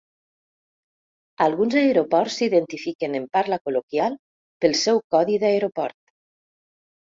Alguns aeroports s'identifiquen en parla col·loquial pel seu codi d'aeroport.